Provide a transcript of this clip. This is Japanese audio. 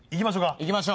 ・いきましょう。